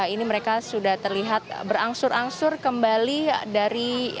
ini mereka sudah terlihat berangsur angsur kembali dari